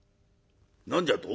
「何じゃと？